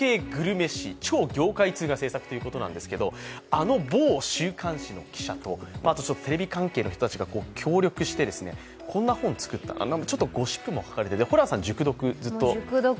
あの某週刊誌の記者とテレビ関係の人たちが協力してこんな本、作った、ちょっとゴシップも書かれてホランさん、ずっと熟読。